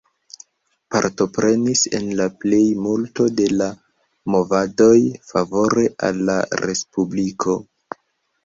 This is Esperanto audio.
Partoprenis en la plej multo de la movadoj favore al la Respubliko.